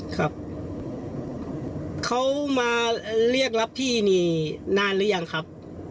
ครับเขามาเรียกรับพี่นี่นานหรือยังครับ